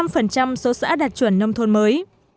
trong số xã đạt chuẩn nông thôn mới